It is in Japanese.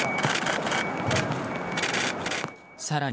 更に、